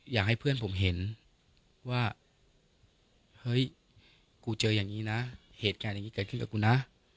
อยากให้เพื่อนผมเห็นว่าเฮ้ยกูเจออย่างนี้นะเหตุการณ์อย่างนี้เกิดขึ้นกับกูนะ